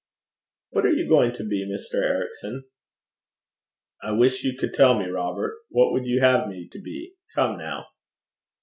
'What are you going to be, Mr. Ericson?' 'I wish you could tell me, Robert. What would you have me to be? Come now.'